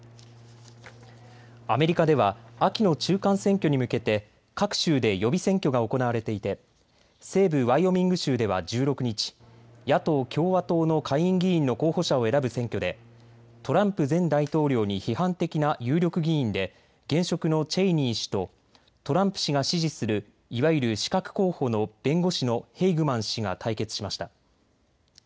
アメリカでは秋の中間選挙に向けて各州で予備選挙が行われていて西部ワイオミング州では１６日、野党・共和党の下院議員の候補者を選ぶ選挙でトランプ前大統領に批判的な有力議員で現職のチェイニー氏とトランプ氏が支持するいわゆる刺客候補の弁護士のヘイグマン氏が対決しました。